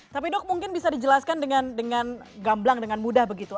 tapi dok mungkin bisa dijelaskan dengan gamblang dengan mudah begitu